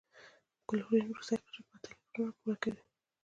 کلورین وروستی قشر په اته الکترونونه پوره کوي.